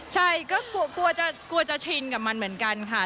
ใช่ก็กลัวจะชินกับมันเหมือนกันค่ะ